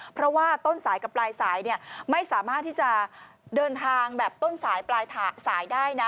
เพราะว่าต้นสายกับปลายสายไม่สามารถที่จะเดินทางแบบต้นสายปลายสายได้นะ